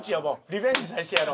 リベンジさせてやろう。